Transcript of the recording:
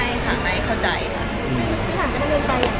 อย่างไรก็ได้หมด